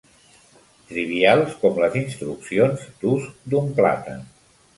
Trivials com les instruccions d'ús d'un plàtan.